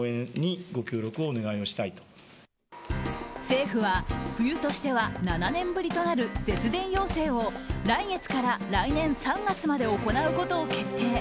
政府は冬としては７年ぶりとなる節電要請を来月から来年３月まで行うことを決定。